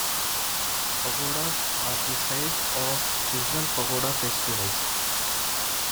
Pagodas are the site of seasonal pagoda festivals.